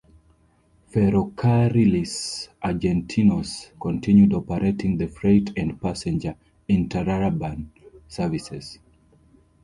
Ferrocarriles Argentinos continued operating the freight and passenger interurban services.